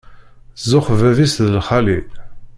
Zzux bab-is d lxali.